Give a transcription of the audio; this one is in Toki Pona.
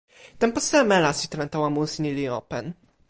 tenpo seme la sitelen tawa musi ni li open?